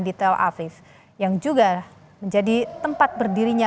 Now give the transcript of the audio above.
di tel aviv yang juga menjadi tempat berdirinya